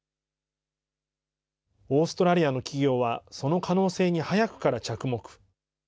オーストラリアの企業は、その可能性に早くから着目。